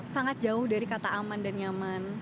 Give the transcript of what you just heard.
sangat jauh dari kata aman dan nyaman